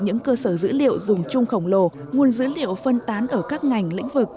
những cơ sở dữ liệu dùng chung khổng lồ nguồn dữ liệu phân tán ở các ngành lĩnh vực